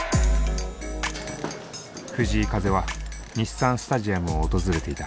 藤井風は日産スタジアムを訪れていた。